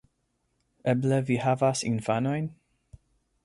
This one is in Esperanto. Eble vi havas infanojn?